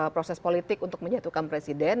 proses politik untuk menyatukan presiden